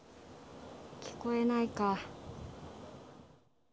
聞こえないか。